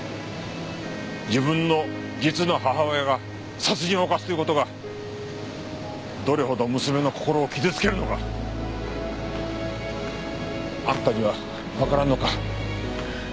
自分の実の母親が殺人を犯すという事がどれほど娘の心を傷つけるのかあんたにはわからんのか？